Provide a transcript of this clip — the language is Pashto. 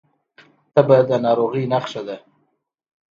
تبه د ناروغۍ نښه ده